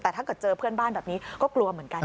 แต่ถ้าเกิดเจอเพื่อนบ้านแบบนี้ก็กลัวเหมือนกัน